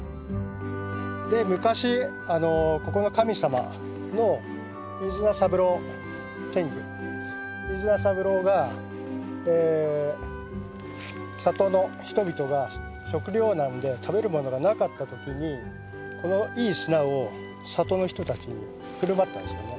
で昔ここの神様の飯縄三郎天狗飯縄三郎が里の人々が食糧難で食べるものがなかった時にこの飯砂を里の人たちに振る舞ったんですよね。